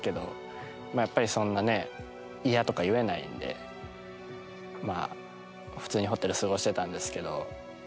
まあやっぱりそんなね嫌とか言えないんでまあ普通にホテル過ごしてたんですけど。